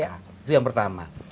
itu yang pertama